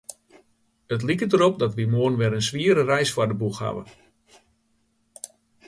It liket derop dat wy moarn wer in swiere reis foar de boech hawwe.